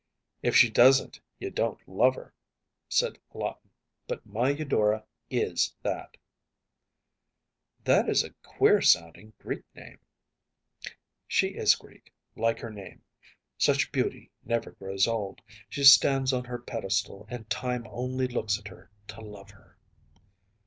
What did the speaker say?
‚ÄĚ “If she doesn’t you don’t love her,‚ÄĚ said Lawton. “But my Eudora IS that.‚ÄĚ “That is a queer sounding Greek name.‚ÄĚ “She is Greek, like her name. Such beauty never grows old. She stands on her pedestal, and time only looks at her to love her.